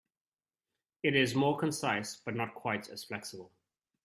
It is more concise but not quite as flexible.